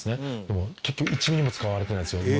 でも結局１ミリも使われてないんですよね。